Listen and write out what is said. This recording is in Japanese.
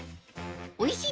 おいしい